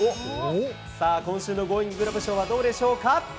さあ、今週のゴーインググラブ賞はどうでしょうか。